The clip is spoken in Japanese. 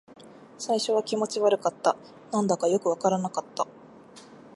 最初は気持ち悪かった。何だかよくわからなかった。